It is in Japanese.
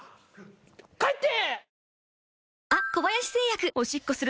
帰って。